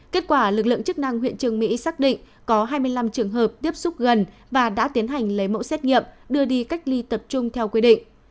kết quả lực lượng chức năng huyện trường mỹ xác định có hai mươi năm trường hợp tiếp xúc gần và đã tiến hành lấy mẫu xét nghiệm đưa đi cách ly tập trung theo quy định